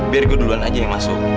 biar gue duluan aja yang masuk